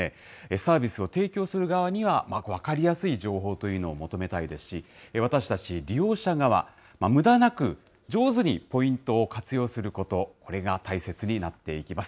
サービスを提供する側には分かりやすい情報というのを求めたいですし、私たち利用者側、むだなく上手にポイントを活用すること、これが大切になっていきます。